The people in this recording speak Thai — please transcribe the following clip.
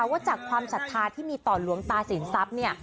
แล้วว่าจากความศรัทธาที่มีต่อหลวงตาศิลป์เนี่ย